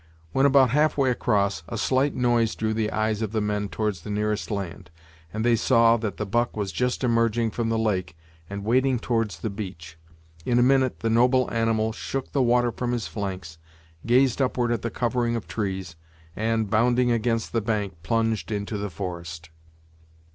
When about half way across, a slight noise drew the eyes of the men towards the nearest land, and they saw that the buck was just emerging from the lake and wading towards the beach. In a minute, the noble animal shook the water from his flanks, gazed up ward at the covering of trees, and, bounding against the bank, plunged into the forest.